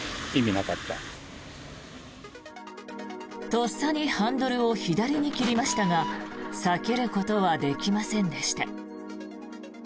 とっさにハンドルを左に切りましたが避けることはできませんでした。